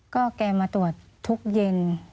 ก็แกมาตรวจทุกเย็น